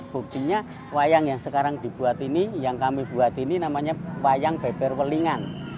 buktinya wayang yang sekarang dibuat ini yang kami buat ini namanya wayang beber welingan